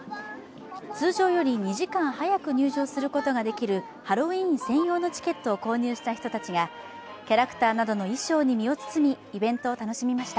通常より２時間早く入場することができるハロウィーン専用のチケットを購入した人たちがキャラクターなどの衣装に身を包みイベントを楽しみました。